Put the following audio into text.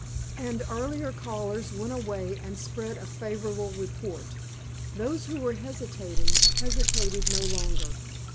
And earlier callers went away and spread a favorable report. Those who were hesitating, hesitated no longer.